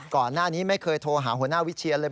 ก่อนหน้านี้ไม่เคยโทรหาหัวหน้าวิเชียนเลย